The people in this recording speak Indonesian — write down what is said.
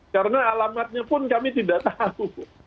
karena alamatnya pun kami tidak tahu